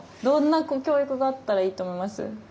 どんな教育があったらいいと思います？